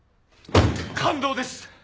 感動です！